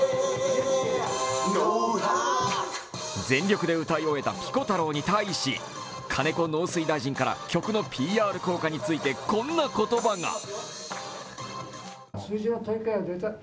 全力で歌い終えたピコ太郎に対し、金子農水大臣から曲のＰＲ効果について、こんな言葉が。